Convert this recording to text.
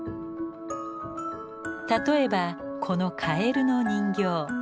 例えばこのカエルの人形。